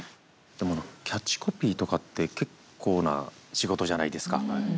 でもキャッチコピーとかって結構な仕事じゃないですか。